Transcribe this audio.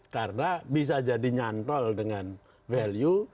karena bisa jadi nyantol dengan value